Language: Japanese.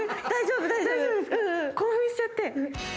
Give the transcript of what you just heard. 興奮しちゃって。